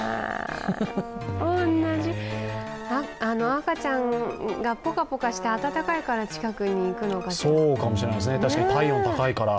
赤ちゃんがポカポカして温かいから近くに行くのかしら？